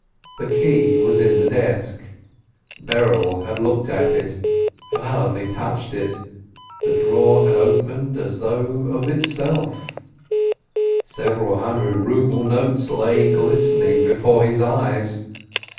The key was in the desk — Berel had looked at it, had hardly touched it — the drawer had opened as though of itself — several hundred ruble notes had lain glistening before his eyes